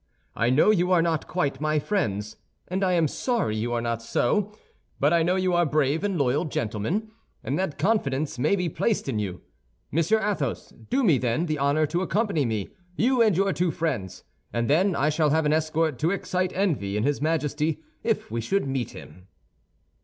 I know you are not quite my friends, and I am sorry you are not so; but I know you are brave and loyal gentlemen, and that confidence may be placed in you. Monsieur Athos, do me, then, the honor to accompany me; you and your two friends, and then I shall have an escort to excite envy in his Majesty, if we should meet him."